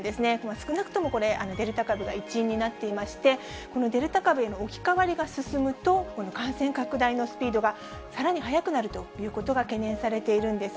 少なくともこれ、デルタ株が一因になっていまして、このデルタ株への置き換わりが進むと、この感染拡大のスピードがさらに速くなるということが懸念されているんです。